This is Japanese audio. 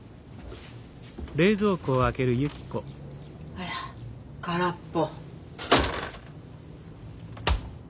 あら空っぽ。